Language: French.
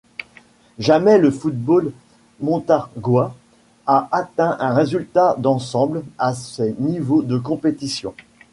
Jamais le football montargois a atteint un résultat d'ensemble à ces niveaux de compétitions.